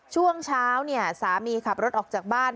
ช่วงเช้าเนี่ยสามีขับรถออกจากบ้าน